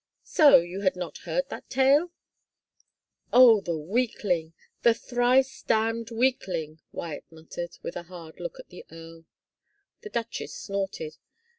... So you had not heard that tale ?"*" Oh, the weakling, the thrice damned weakling !" Wyatt muttered, with a hard look at the earl. The duchess snorted.